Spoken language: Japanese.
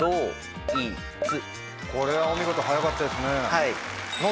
これはお見事早かったですね。